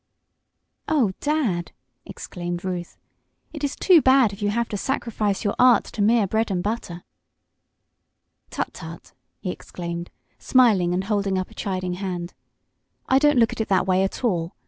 "Oh, Dad!" exclaimed Ruth. "It is too bad if you have to sacrifice your art to mere bread and butter." "Tut! Tut!" he exclaimed, smiling and holding up a chiding hand. "I don't look at it that way at all.